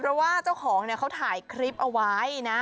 เพราะว่าเจ้าของเนี่ยเขาถ่ายคลิปเอาไว้นะ